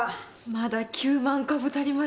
まだ９万株足りません。